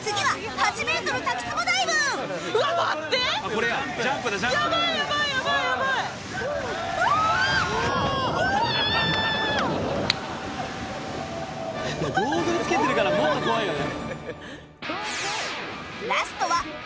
これゴーグルつけてるからもっと怖いよね。